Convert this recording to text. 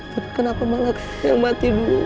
tapi kenapa malak yang mati dulu